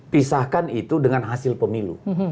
pisahkan itu dengan hasil pemilu